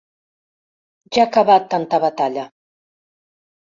Ja ha acabat tanta batalla.